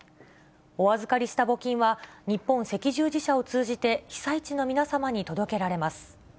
お預かりした募金は、日本赤十字社を通じて、被災地の皆様に届けられます。